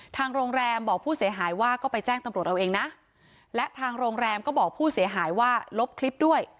ทางโรงแรมบอกผู้เสียหายว่าก็ไปแจ้งตำรวจเอาเองนะและทางโรงแรมก็บอกผู้เสียหายว่าลบคลิปด้วย